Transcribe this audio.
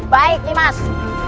baik nih mas